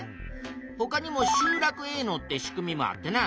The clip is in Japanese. ほかにも集落営農って仕組みもあってな